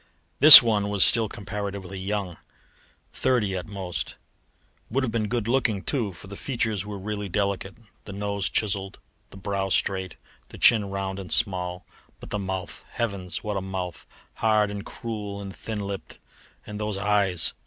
This one was still comparatively young, thirty at most; would have been good looking too, for the features were really delicate, the nose chiselled, the brow straight, the chin round and small. But the mouth! Heavens, what a mouth! Hard and cruel and thin lipped; and those eyes!